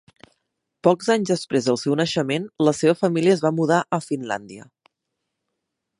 Pocs anys després del seu naixement, la seva família es va mudar a Finlàndia.